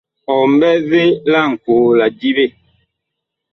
Ɔ mɓɛ vee laŋkoo la diɓe?